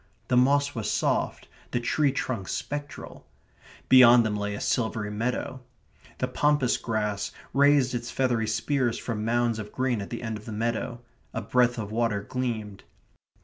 The moss was soft; the tree trunks spectral. Beyond them lay a silvery meadow. The pampas grass raised its feathery spears from mounds of green at the end of the meadow. A breadth of water gleamed.